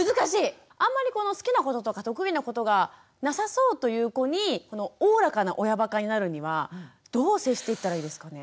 あんまりこの好きなこととか得意なことがなさそうという子におおらかな親ばかになるにはどう接していったらいいですかね？